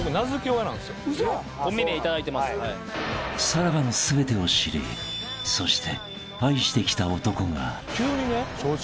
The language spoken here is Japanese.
［さらばの全てを知りそして愛してきた男が］